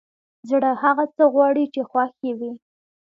زړه هغه څه غواړي چې خوښ يې وي!